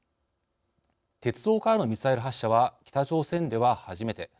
鉄道からのミサイル発射は北朝鮮では初めて。